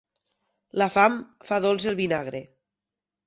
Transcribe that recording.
La fam fa dolç el vinagre.